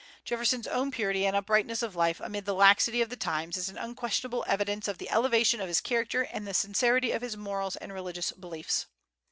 Jefferson's own purity and uprightness of life amid the laxity of the times is an unquestionable evidence of the elevation of his character and the sincerity of his moral and religious beliefs.